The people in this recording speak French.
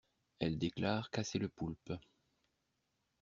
Elle déclare casser le poulpe.